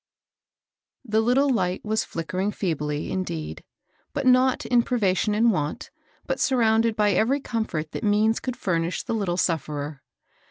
[he little light was flickering feeUj, in deed ; but not in priyation and want, but su]:^unded by every comfort that means could furnish the little sufferer.